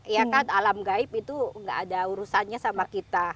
ya kan alam gaib itu nggak ada urusannya sama kita